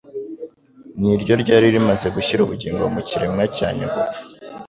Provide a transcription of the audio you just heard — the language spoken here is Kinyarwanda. ni ryo ryari rimaze gushyira ubugingo mu kirema cya nyagupfa.